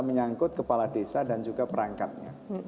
menyangkut kepala desa dan juga perangkatnya